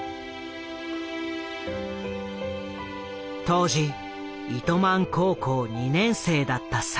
当時糸満高校２年生だった栽。